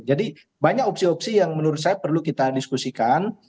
jadi banyak opsi opsi yang menurut saya perlu kita diskusikan